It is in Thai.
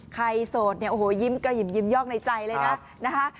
ใครโสดยิ้มกระหยิมยอกในใจเลยนะคะ